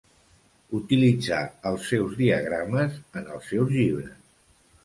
Utilitzar els seus diagrames en els seus llibres.